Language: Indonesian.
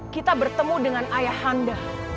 kita bertemu dengan ayah handa